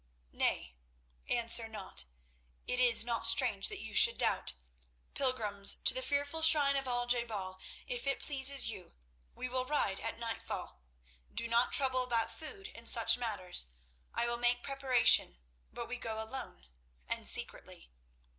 Nay, answer not; it is not strange that you should doubt. Pilgrims to the fearful shrine of Al je bal, if it pleases you, we will ride at nightfall. Do not trouble about food and such matters. I will make preparation, but we go alone and secretly.